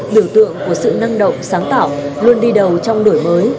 biểu tượng của sự năng động sáng tạo luôn đi đầu trong đổi mới